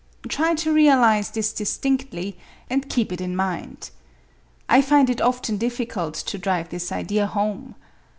Try to realize this distinctly, and keep it in mind. I find it often difficult to drive this idea home.